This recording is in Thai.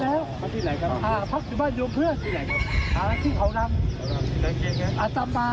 ไม่เป็นไรมีหลักฐานอย่าพูดออกร้อยเวลน่ะ